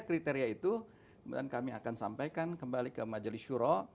kriteria itu kemudian kami akan sampaikan kembali ke majerisura